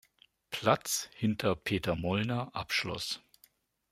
Platz hinter Peter Molnar abschloss.